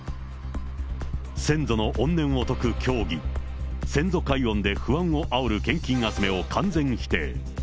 先祖の怨念を解く教義、先祖解怨で不安をあおる献金集めを完全否定。